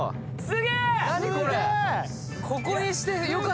すげえ！